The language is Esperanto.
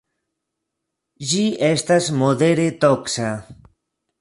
Ĝi estas modere toksa.